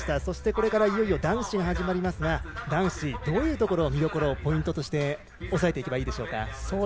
そしてこれからいよいよ男子が始まりますが男子、どういうところをポイントとして押さえていけばいいでしょうか。